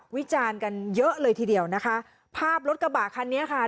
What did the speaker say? วิจารณ์กันเยอะเลยทีเดียวนะคะภาพรถกระบะคันนี้ค่ะ